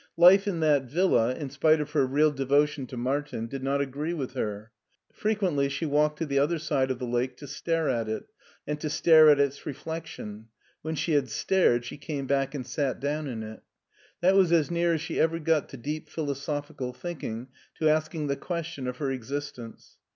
Life in that villa, in spite of her real devotion to Martin, did not agree with her. Frequently she walked to the other side of the lake to stare at it, and to stare at its re flection; when she had stared she came back and sat down in it. That was as near as she ever got to deep philosophical thinking, to asking the question of her existence.